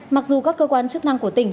mặc dù các cơ quan chức năng của tỉnh